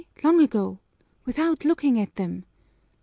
Long ago! Without looking at them!"